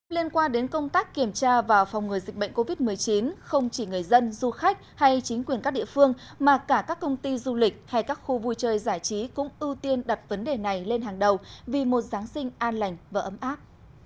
liên quan đến công tác kiểm tra và phòng ngừa dịch bệnh covid một mươi chín không chỉ người dân du khách hay chính quyền các địa phương mà cả các công ty du lịch hay các khu vui chơi giải trí cũng ưu tiên đặt vấn đề này lên hàng đầu vì một giáng sinh an lành và ấm áp